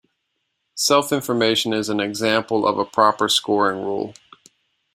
Self-information is an example of a proper scoring rule.